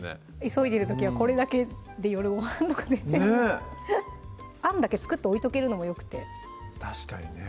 急いでる時はこれだけで夜ご飯とかであんだけ作って置いとけるのもよくて確かにね